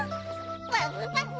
バブバブ！